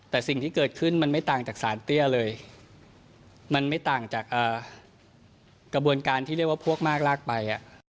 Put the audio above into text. แต่สิ่งที่เกิดขึ้นมันไม่ต่างจากสารเตี้ยเลยมันไม่ต่างจากกระบวนการที่เรียกว่าพวกมากลากไป